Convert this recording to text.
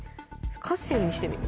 河川にしてみる？